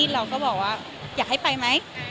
เราก็บอกว่าอยากให้ไปไหม